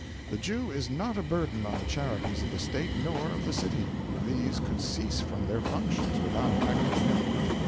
The Jew is not a burden on the charities of the state nor of the city; these could cease from their functions without affecting him.